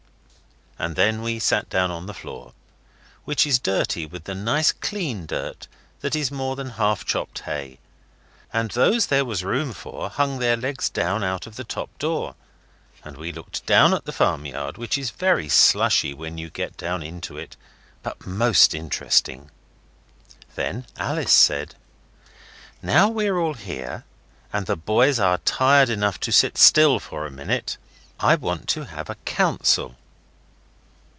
And then we sat down on the floor, which is dirty with the nice clean dirt that is more than half chopped hay, and those there was room for hung their legs down out of the top door, and we looked down at the farmyard, which is very slushy when you get down into it, but most interesting. Then Alice said 'Now we're all here, and the boys are tired enough to sit still for a minute, I want to have a council.